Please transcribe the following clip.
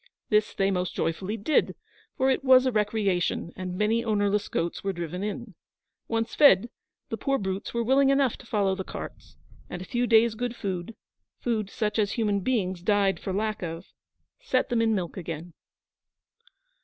This they most joyfully did, for it was a recreation, and many ownerless goats were driven in. Once fed, the poor brutes were willing enough to follow the carts, and a few days' good food food such as human beings died for lack of set them in milk again.